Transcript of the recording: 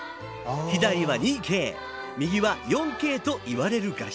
左は２Ｋ右は４Ｋといわれる画質。